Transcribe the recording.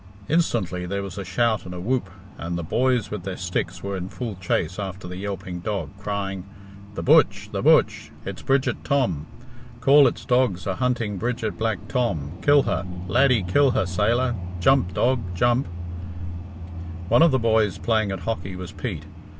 Instantly there was a shout and a whoop, and the boys with their sticks were in full chase after the yelping dog, crying, "The butch! The butch! It's Bridget Tom! Corlett's dogs are hunting Bridget Black Tom! Kill her, Laddie! Kill her, Sailor! Jump, dog, jump!" One of the boys playing at hockey was Pete.